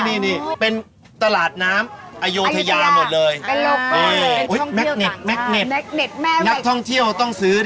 อ๋ออันนี้ไงนี่ก็ทำเป็นเสื้อ